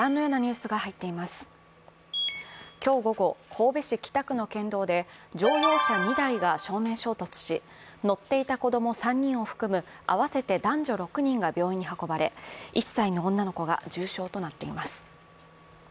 今日午後、神戸市北区の県道で乗用車２台が正面衝突し乗っていた子供３人を含む合わせて男女６人が病院に運ばれ１歳の女の子が重傷となっています。